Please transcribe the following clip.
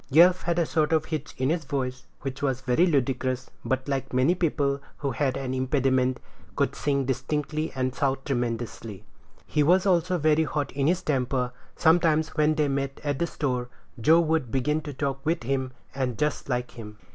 Yelf had a sort of hitch in his voice, which was very ludicrous, but, like many people who have an impediment, could sing distinctly and shout tremendously; he was also very hot in his temper. Sometimes, when they met at the store, Joe would begin to talk with him, and just like him.